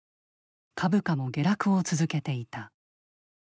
株価も下落を続けていた。